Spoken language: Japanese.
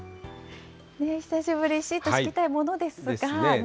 久しぶりにシート敷きたいものですが。ですね。